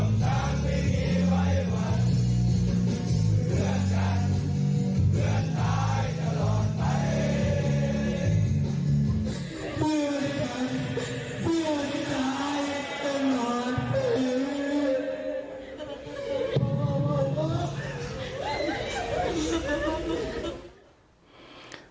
จะมีนายรวมตามไม่มีวัยวัน